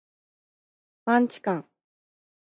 マンチカン